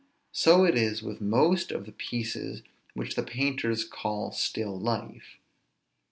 So it is with most of the pieces which the painters call still life.